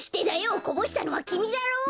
こぼしたのはきみだろ！